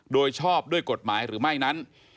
โดยชอบด้วยกฎหมายหรือไม่นั้น